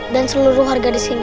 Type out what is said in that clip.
dan semua harga di sini